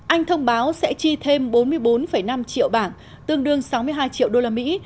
anh thông báo sẽ chi thêm bốn mươi bốn năm triệu bảng tương đương sáu mươi hai triệu đô la mỹ